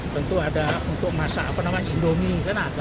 tentu ada untuk masa apa namanya indomie kan ada